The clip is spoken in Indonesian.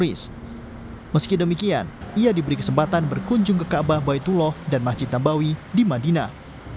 meski demikian ia diberi kesempatan berkunjung ke kaabah baitullah dan masjid nabawi di madinah